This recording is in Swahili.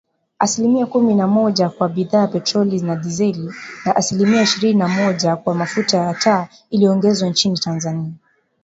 Asilimia kumi na moja kwa bidhaa ya petroli na dizeli, na asilimia ishirini na moja kwa mafuta ya taa iliongezwa Inchi Tanzania